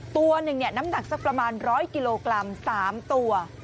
ตัวหนึ่งน้ำหนักสักประมาณ๑๐๐กิโลกรัม๓ตัว